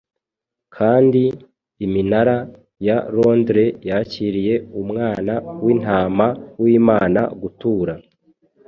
kandi iminara ya Londres Yakiriye Umwana w'intama w'Imana gutura